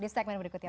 di segmen berikutnya